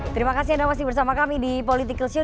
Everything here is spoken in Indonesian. terima kasih anda masih bersama kami di political show